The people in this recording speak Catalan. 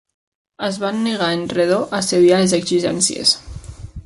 Es van negar en redó a cedir a les exigències.